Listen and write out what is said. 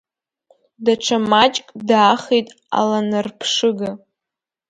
Даҽа маҷк даахеит аланарԥшыга.